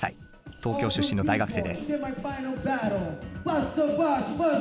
東京出身の大学生です。